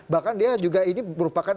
bahkan dia juga ini merupakan